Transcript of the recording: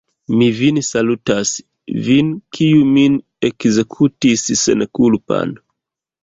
Mi vin salutas, vin, kiu min ekzekutis senkulpan!